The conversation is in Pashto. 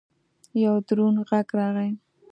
یو دروند غږ راغی!